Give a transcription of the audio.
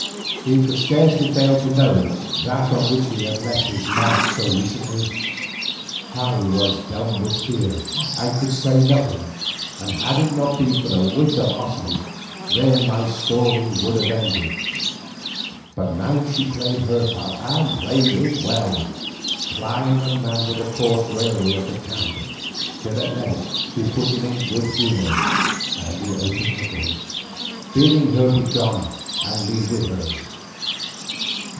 He could scarcely fail to know that on which he had left his mark so recently. I was dumb with fear and could say nothing, and had it not been for the wit of Otomie, there my story would have ended. But now she played her part and played it well, plying the man with the coarse raillery of the camp, till at length she put him in a good humour, and he opened the gate, bidding her begone and me with her.